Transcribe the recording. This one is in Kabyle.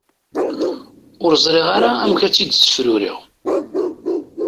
Ur ẓriɣ ara amek ara tt-id-ssefruriɣ?